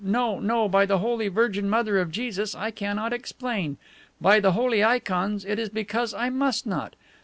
No, no, by the Holy Virgin Mother of Jesus I cannot explain. By the holy ikons, it is because I must not.